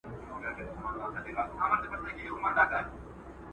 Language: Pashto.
قمرۍ په ونې کې د خپلې ځالۍ لپاره یو نرم ځای وموند.